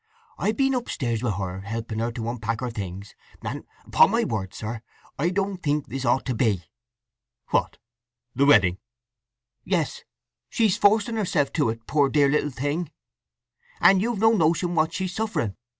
I've been upstairs with her, helping her to unpack her things; and upon my word, sir, I don't think this ought to be!" "What—the wedding?" "Yes. She's forcing herself to it, poor dear little thing; and you've no notion what she's suffering.